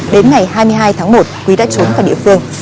đến ngày hai mươi hai tháng một quý đã trốn vào địa phương